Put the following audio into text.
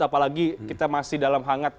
apalagi kita masih dalam hangat